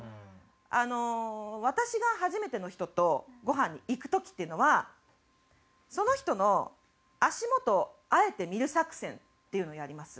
あの私が初めての人とごはんに行く時っていうのはその人の足元をあえて見る作戦っていうのをやります。